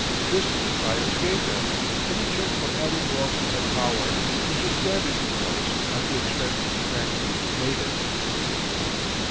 This the friars gave them, in return for added wealth and power, which was granted, of course, at the expense of the vanquished natives.